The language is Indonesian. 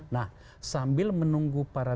nah sambil menunggu para